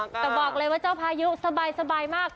แต่บอกเลยว่าเจ้าพายุสบายมาก